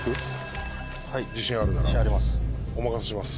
はい自信あります。